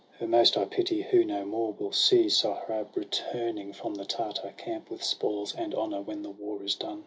Her most I pity, who no more will see Sohrab returning from the Tartar camp. With spoils and honour, when the war is done.